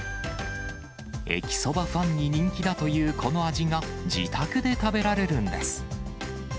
駅そばファンに人気だというこの味が自宅で食べられるんです。